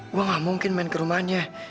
gue gak mungkin main ke rumahnya